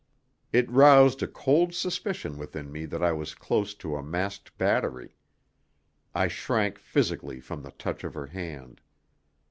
It roused a cold suspicion within me that I was close to a masked battery. I shrank physically from the touch of her hand.